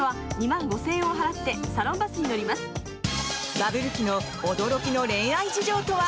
バブル期の驚きの恋愛事情とは？